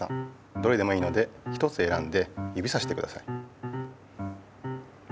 どれでもいいので一つえらんでゆびさしてください。